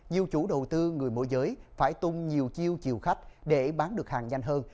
nhiều chủ đầu tư người môi giới phải tung nhiều chiêu chiều khách để bán được hàng nhanh hơn